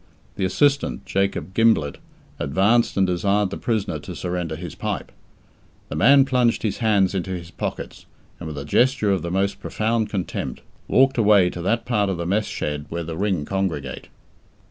The assistant, Jacob Gimblett, advanced and desired the prisoner to surrender the pipe. The man plunged his hands into his pockets, and, with a gesture of the most profound contempt, walked away to that part of the mess shed where the "Ring" congregate.